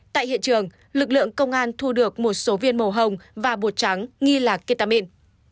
tại hiện trường lực lượng công an thu được một số viên màu hồng và bột trắng nghi là ketamin